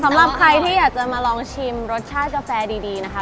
สำหรับใครที่อยากจะมาลองชิมรสชาติกาแฟดีนะคะ